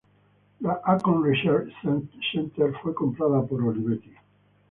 La "Acorn Research Centre" fue comprada por Olivetti.